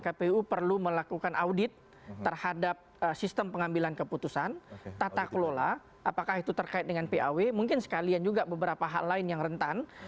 kpu perlu melakukan audit terhadap sistem pengambilan keputusan tata kelola apakah itu terkait dengan paw mungkin sekalian juga beberapa hal lain yang rentan